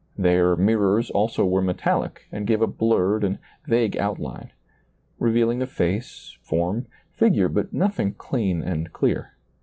Their mirrors also were metallic and gave a blurred and vague outline, revealing the face, form, figure, but nothing clean and clear.